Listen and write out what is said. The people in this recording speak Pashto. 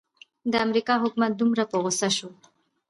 د امریکا حکومت دومره په غوسه شو.